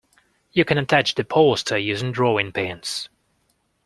You can attach the poster using drawing pins